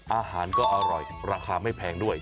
อาหารก็อร่อยราคาไม่แพงด้วย